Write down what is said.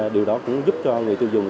điều đó cũng giúp cho người tiêu dùng